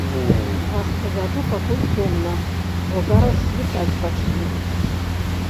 Я вас правяду, пакуль цёмна, бо зараз світаць пачне.